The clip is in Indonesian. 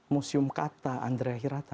museum kata andrea hirata